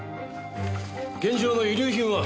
現場の遺留品は？